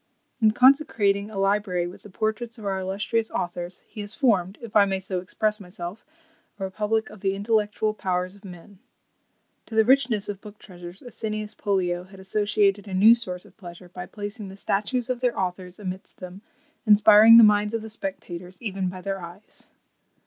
"In consecrating a library with the portraits of our illustrious authors, he has formed, if I may so express myself, a republic of the intellectual powers of men." To the richness of book treasures, Asinius Pollio had associated a new source of pleasure, by placing the statues of their authors amidst them, inspiring the minds of the spectators, even by their eyes.